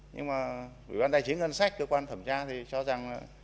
nhưng mà ủy ban tài chính ngân sách cơ quan thẩm tra thì cho rằng là